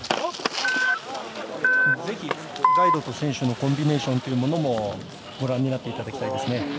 ガイドと選手のコンビネーションもご覧になっていただきたいですね。